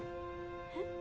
えっ？